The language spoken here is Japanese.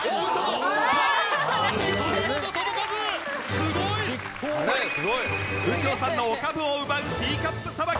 すごい！右京さんのお株を奪うティーカップさばき！